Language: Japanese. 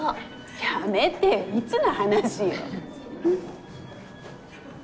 やめてよいつの話よ。